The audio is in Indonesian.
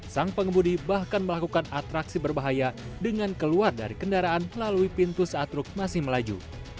sang pengemudi bahkan melakukan atraksi berbahaya dengan keluar dari kendaraan melalui pintu saat truk masih melaju